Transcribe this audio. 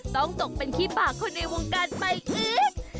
ต้องตกเป็นขี้ปากคนในวงการใหม่อึ๊ก